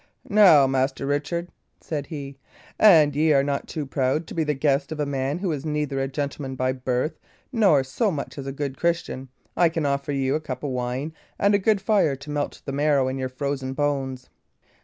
"Now, Master Richard," said he, "an y' are not too proud to be the guest of a man who is neither a gentleman by birth nor so much as a good Christian, I can offer you a cup of wine and a good fire to melt the marrow in your frozen bones."